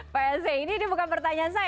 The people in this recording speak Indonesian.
pse ini bukan pertanyaan saya